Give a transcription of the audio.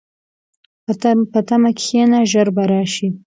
په تمه کښېنه، ژر به راشي.